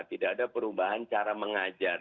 tidak ada perubahan cara mengajar